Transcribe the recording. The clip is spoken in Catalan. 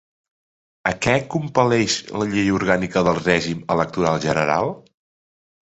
A què compel·leix la Llei Orgànica del Règim Electoral General?